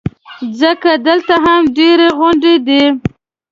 ځکه دلته هم ډېرې غونډۍ دي.